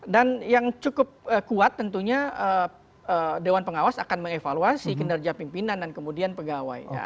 dan yang cukup kuat tentunya dewan pengawas akan mengevaluasi kinerja pimpinan dan kemudian pegawai